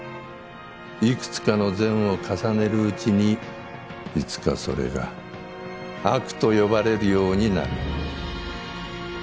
いくつかの善を重ねるうちにいつかそれが悪と呼ばれるようになる。